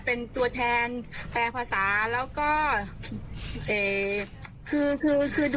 สิ่งทุกอย่างไม่มีอาหารทุกอย่างได้หมด